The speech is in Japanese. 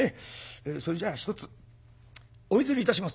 それじゃあひとつお譲りいたします」。